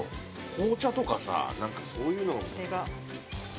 紅茶とかさなんかそういうの。